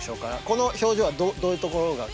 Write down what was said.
この表情はどういうところが。